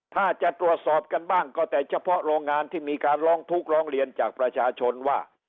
ถ้าจะตรวจสอบกันบ้างก็แต่เฉพาะโรงงานที่มีการร้องทุกข์ร้องเรียนจากประชาชนว่า